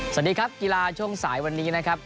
สวัสดีครับกีฬาช่วงสายวันนี้นะครับ